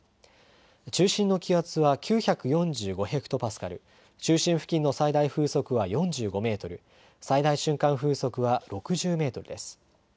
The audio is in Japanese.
中心の気圧は９４５ヘクトパスカル、中心付近の最大風速は４５メートル、最大瞬間風速は６０メートルです。